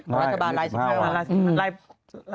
ของรัฐบาลลาย๑๕ล่ะลาย๑๕ล่ะ